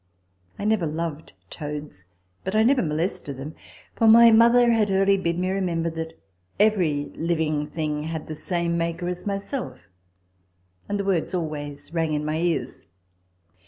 I never loved toads, but I never molested them ; for my mother had early bid me remember, that every living thing had the ame Maker as myself ; and the words always rang in my ears.